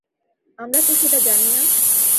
আমরা তো সেটা জানি না।